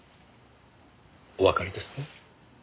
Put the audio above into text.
おわかりですね？